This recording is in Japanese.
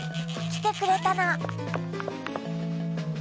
きてくれたの。